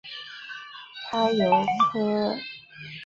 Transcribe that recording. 它由楚科奇自治区负责管辖。